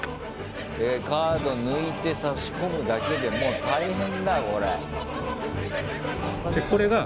カード抜いて差し込むだけでもう大変だよこれ。